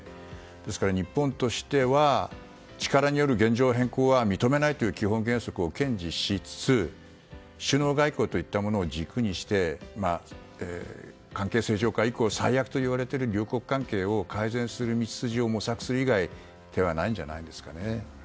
ですから、日本としては力による現状変更は認めないという基本原則を堅持しつつ首脳外交といったものを軸にして関係正常化以降最悪といわれている両国関係を改善する道筋を模索する以外手はないんじゃないんですかね。